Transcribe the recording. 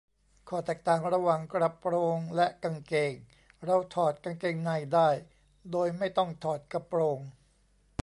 ข้อแตกต่างระหว่างกระโปรงและกางเกง : เราถอดกางเกงในได้โดยไม่ต้องถอดกระโปรง